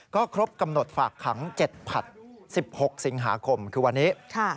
ก็ครบกำหนดฝากขัง๗ผัด๑๖สิงหาคมคือวันนี้